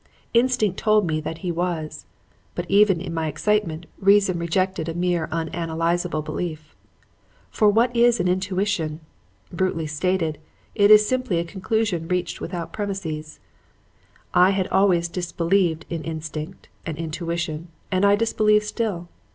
Instinct told me that he was. But, even in my excitement, reason rejected a mere unanalyzable belief. For what is an intuition? Brutally stated, it is simply a conclusion reached without premises. I had always disbelieved in instinct and intuition and I disbelieved still.